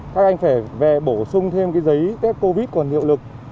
các anh phải về bổ sung thêm cái giấy test covid còn hiệu lực